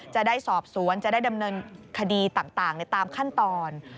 จะได้สอบสวนจะได้ดำเนินคดีต่างในตามขั้นตอน